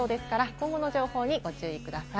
今後の情報にご注意ください。